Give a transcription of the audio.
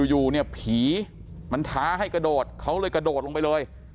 อยู่เนี่ยผีมันท้าให้กระโดดเขาเลยกระโดดลงไปเลย